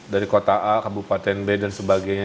dari kota a kabupaten b dan sebagainya